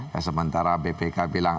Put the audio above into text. ya sementara bpk bilang